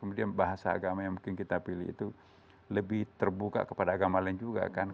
kemudian bahasa agama yang mungkin kita pilih itu lebih terbuka kepada agama lain juga kan